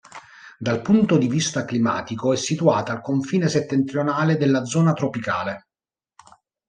Dal punto di vista climatico è situata al confine settentrionale della zona tropicale.